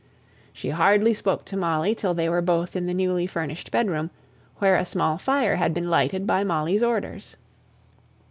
She hardly spoke to Molly till they were both in the newly furnished bedroom, where a small fire had been lighted by Molly's orders.